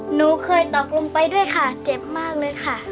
หนูเคยตกลงไปด้วยค่ะเจ็บมากเลยค่ะ